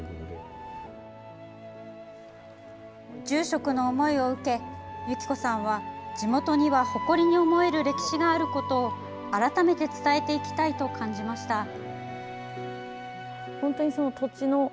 住職の思いを受け由起子さんは地元には誇りに思える歴史があることを改めて伝えていきたいと感じました。